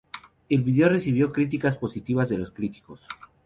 El video recibió críticas positivas de los críticos.